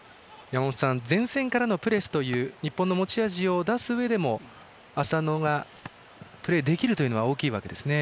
前線からのプレスという日本の持ち味を出すうえでも浅野がプレーできるというのは大きいわけですね。